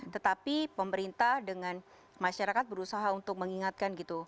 tetapi pemerintah dengan masyarakat berusaha untuk mengingatkan gitu